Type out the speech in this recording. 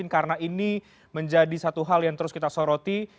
karena ini menjadi satu hal yang terus kita soroti